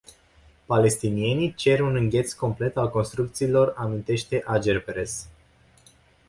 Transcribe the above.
Palestinienii cer un îngheț complet al construcțiilor, amintește Agerpres.